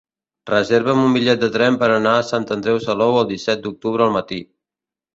Reserva'm un bitllet de tren per anar a Sant Andreu Salou el disset d'octubre al matí.